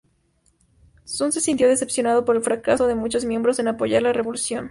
Sun se sintió decepcionado por el fracaso de muchos miembros en apoyar la revolución.